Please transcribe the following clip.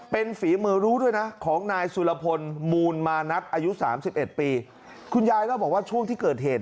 เป็นฝีมือรู้ด้วยนะของนายสุรพลมูลมานักอายุ๓๑ปีคุณยายก็บอกว่าช่วงที่เกิดเหตุ